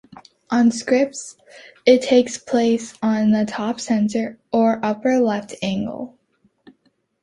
On scripts it takes place on the top center or upper left angle.